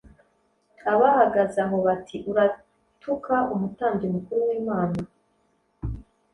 Abahagaze aho bati ‘Uratuka umutambyi mukuru w’Imana?’